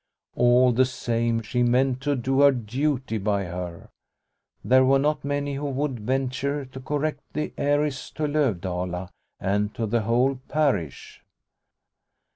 All the same she meant to do her duty by her. There were not many who would venture to correct the heiress to Lovdala and to the whole parish.